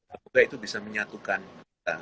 apakah itu bisa menyatukan kita